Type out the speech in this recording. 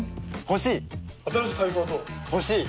欲しい。